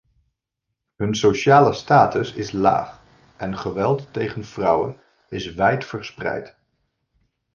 Hun sociale status is laag en geweld tegen vrouwen is wijd verspreid.